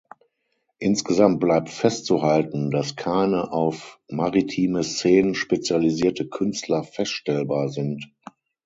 Insgesamt bleibt festzuhalten, dass keine auf maritime Szenen spezialisierte Künstler feststellbar sind.